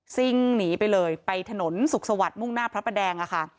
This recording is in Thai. ซิ่งหนีไปเลยไปถนนสุขสวรรค์มุ่งหน้าพระพะแดง